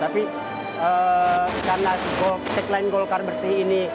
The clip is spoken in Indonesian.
tapi karena tagline golkar bersih ini